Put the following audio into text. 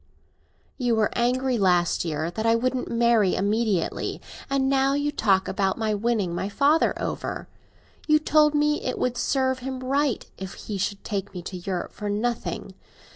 "You were angry last year that I wouldn't marry immediately, and now you talk about my winning my father over. You told me it would serve him right if he should take me to Europe for nothing.